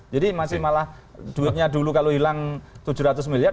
jadi masih malah duitnya dulu kalau hilang tujuh ratus miliar